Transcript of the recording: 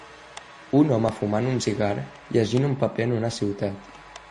Un home fumant un cigar llegint un paper en una ciutat